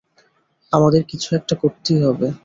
আমাদের কিছু একটা করতেই হবে।